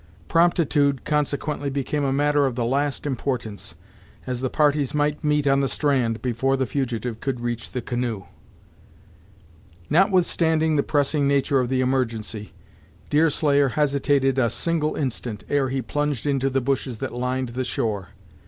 Promptitude, consequently became a matter of the last importance, as the parties might meet on the strand, before the fugitive could reach the canoe. Notwithstanding the pressing nature of the emergency, Deerslayer hesitated a single instant, ere he plunged into the bushes that lined the shore.